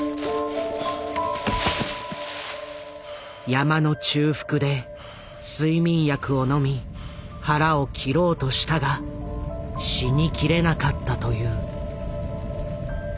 山の中腹で睡眠薬を飲み腹を切ろうとしたが死にきれなかったという。